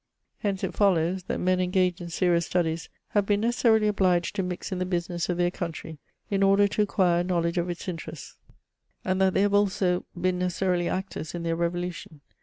Hence it follows, that men engaged in serious studies have been necessarily obliged to mix in the business of their country in order to acquire a knowledge of its interests : and that they have also been necessarily actors in their revolution.